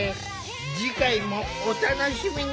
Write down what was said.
次回もお楽しみに！